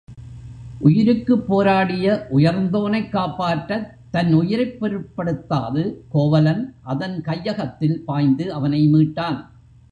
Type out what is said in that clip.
உயிருக்குப் போராடிய உயர்ந்தோனைக் காப்பாற்றத் தன் உயிரைப் பொருட்படுத்தாது கோவலன் அதன் கையகத்தில் பாய்ந்து அவனை மீட்டான்.